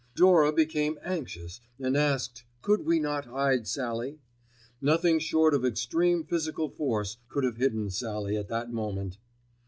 Dora became anxious and asked, could we not hide Sallie? Nothing short of extreme physical force could have hidden Sallie at that moment.